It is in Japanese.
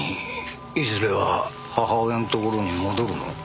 いずれは母親のところに戻るの？